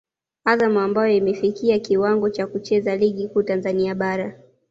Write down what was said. Azam ambayo imefikia kiwango cha kucheza ligi kuu Tanzania bara